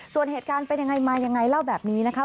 ส่วนเหตุการณ์เป็นยังไงมายังไงเล่าแบบนี้นะคะ